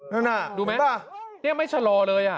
นั่นอ่ะดูไหมนี่ยังไม่ชะลอเลยอ่ะ